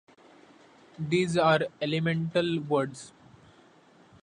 These are elemental words.